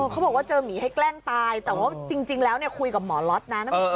เขาบอกว่าเจอหมีให้แกล้งตายแต่ว่าจริงแล้วคุยกับหมอล็อตนะ